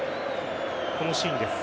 このシーンです。